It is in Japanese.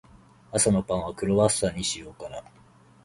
朝のパンは、クロワッサンにしようかな。